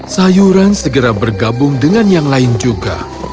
sayuran segera bergabung dengan yang lain juga